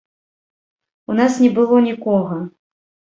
У нас не было нікога.